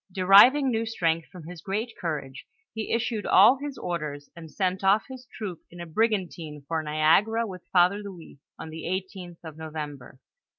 Deriving new strength from his great courage, he issued all his orders and sent off his troop in a brigantine for Niagara with Father Louis, on the 18th of November.